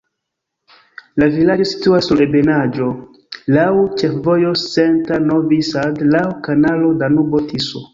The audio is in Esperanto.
La vilaĝo situas sur ebenaĵo, laŭ ĉefvojo Senta-Novi Sad, laŭ kanalo Danubo-Tiso.